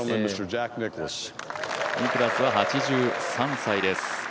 ニクラウスは８３歳です。